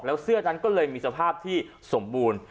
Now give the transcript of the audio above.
แล้วเสื้อนั้นก็เลยมีสภาพที่สมบูรณ์